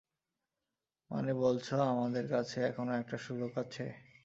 মানে বলছো আমাদের কাছে এখনো একটা সুযোগ আছে?